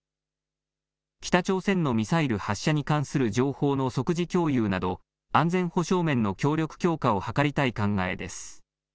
北朝鮮のミサイル発射に関する情報の即時共有など、安全保障面の協力強化を図りたい考えです。